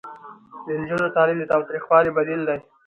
د نجونو تعلیم د تاوتریخوالي بدیل دی.